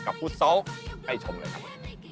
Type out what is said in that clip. กับฟุตซอล์ให้ชมเลยครับ